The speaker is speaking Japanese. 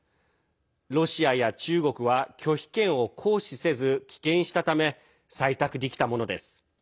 ロシアや中国は拒否権を行使せず、棄権したため採択できたものです。